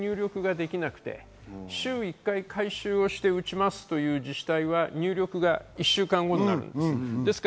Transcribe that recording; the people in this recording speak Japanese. そうするとその日中に入力できなくて、週１回、回収をして打ちますという自治体は入力が１週間後になります。